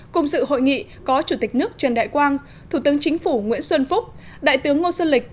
cùng sự hội nghị có chủ tịch nước trần đại quang thủ tướng chính phủ nguyễn xuân phúc đại tướng ngô xuân lịch